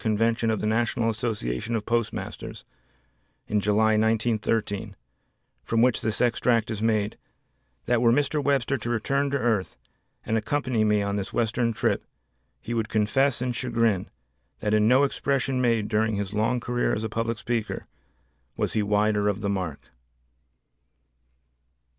Convention of the National Association of Postmasters, in July, 1913, from which this extract is made, "that were Mr. Webster to return to earth and accompany me on this western trip he would confess in chagrin that in no expression made during his long career as a public speaker was he wider of the mark."